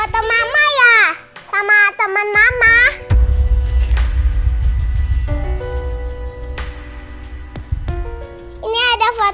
tidak ada yang nanya apa apa